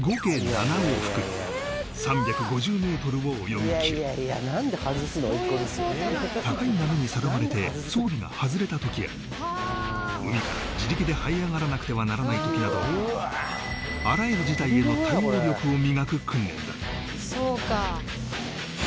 ７往復３５０ｍを泳ぎきる高い波にさらわれて装備が外れたときや海から自力で這い上がらなくてはならないときなどあらゆる事態への対応力を磨く訓練だ